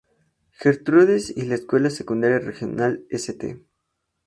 Gertrudis y a la Escuela Secundaria Regional St.